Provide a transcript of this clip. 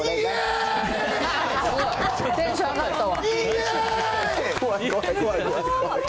テンション上がったわ。